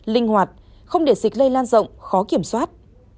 linh hoạt không để dịch lây lan rộng khó kiểm soát